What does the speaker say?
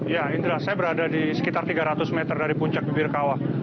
ya indra saya berada di sekitar tiga ratus meter dari puncak bibir kawah